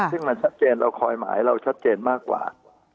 ซึ่งมันชัดเจนเราคอยหมายเราชัดเจนมากกว่า